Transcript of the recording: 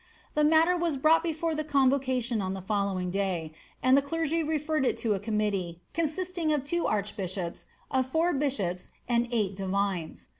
' The matter was brought before the convocation on the following day, ind the clergy referred it to a committee, consisting of the two arch bishops, of four bishops, and eight divines.